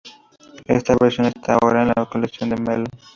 Esta versión está ahora en la colección Mellon.